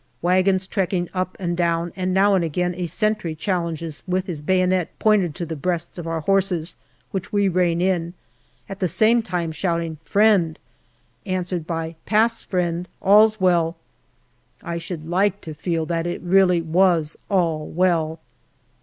Wagons trekking up and down, and now and again a sentry challenges with his bayonet pointed to the breasts of our horses, which we rein in, at the same time shouting " Friend/' answered by " Pass, friend ; all's well." I should like t6 feel that it really was " all well."